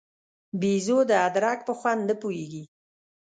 بېزو د ادرک په خوند نه پوهېږي.